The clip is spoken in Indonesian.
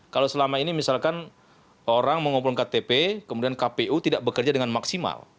kalau selama ini misalkan orang mengumpulkan ktp kemudian kpu tidak bekerja dengan maksimal